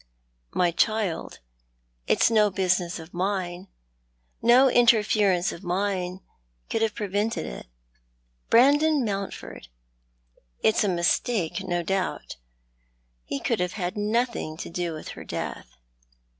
" My child, it's no business of mine. No interference of mine could have prevented it. Brandon Mountford ! It's a mistake, no doubt. He could have had nothing to do with her death.